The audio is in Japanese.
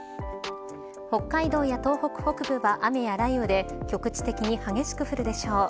北海道や東北北部は、雨や雷雨で局地的に激しく降るでしょう。